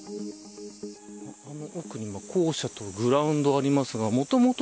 この奥に、校舎とグラウンドがありますが、もともと